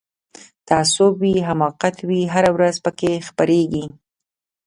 تعصب وي حماقت وي هره ورځ پکښی خپریږي